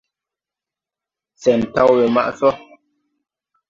Sɛn taw we maʼ sɔ.